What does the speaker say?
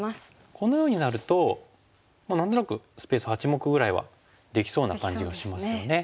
このようになると何となくスペース８目ぐらいはできそうな感じがしますよね。